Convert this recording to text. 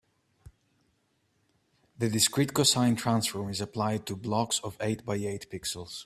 The discrete cosine transform is applied to blocks of eight by eight pixels.